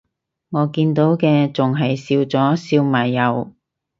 我見到嘅仲係笑咗笑埋右